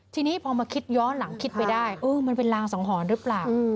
ทีนี้พอมาคิดย้อนหลังคิดไปได้เออมันเป็นรางสังหรณ์หรือเปล่า